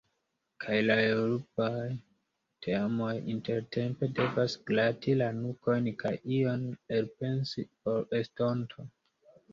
Kaj la eŭropaj teamoj intertempe devas grati la nukojn kaj ion elpensi por estonto.